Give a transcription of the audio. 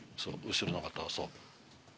後ろの方そう。